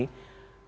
kalau misal pasca ya